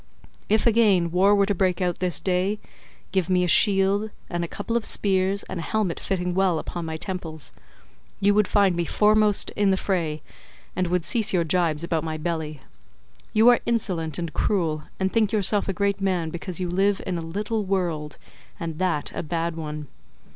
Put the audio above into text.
If, again, war were to break out this day, give me a shield, a couple of spears and a helmet fitting well upon my temples—you would find me foremost in the fray, and would cease your gibes about my belly. You are insolent and cruel, and think yourself a great man because you live in a little world, and that a bad one.